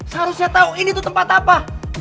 seharusnya tahu ini tuh tempat apa